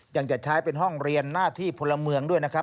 ยังจะใช้เป็นห้องเรียนหน้าที่พลเมืองด้วยนะครับ